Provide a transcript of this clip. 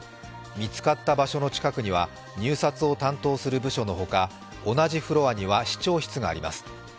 見つかった場所の近くには入札を担当する部署のほか同じフロアには市長室があります。